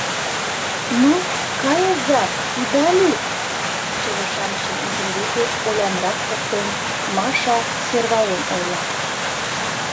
Ну, кайыза, ида лӱд! — чыве-шамычым озым деке олянрак поктен, Маша сӧрвален ойла.